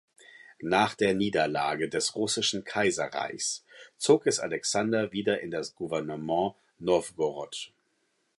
Nach der Niederlage des Russischen Kaiserreichs zog es Alexander wieder in das Gouvernement Nowgorod.